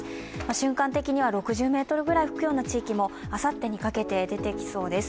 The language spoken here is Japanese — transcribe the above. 瞬間的には６０メートルぐらい吹く地域もあさってにかけて出てきそうです。